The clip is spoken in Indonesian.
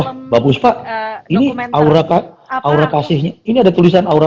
oh bagus pak ini aura kasihnya ini ada tulisan aura